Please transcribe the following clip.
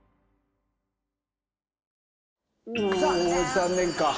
残念か。